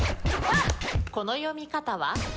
この読み方は？